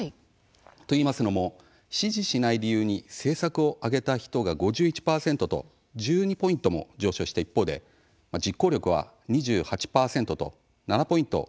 といいますのも「支持しない理由」に「政策」を挙げた人が５１％と１２ポイントも上昇した一方で「実行力」は２８％と７ポイント減少しました。